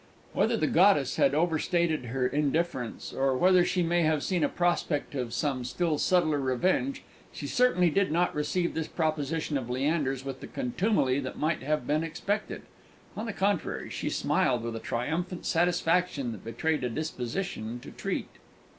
Whether the goddess had overstated her indifference, or whether she may have seen a prospect of some still subtler revenge, she certainly did not receive this proposition of Leander's with the contumely that might have been expected; on the contrary, she smiled with a triumphant satisfaction that betrayed a disposition to treat.